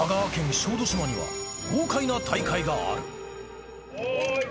小豆島には、豪快な大会がある。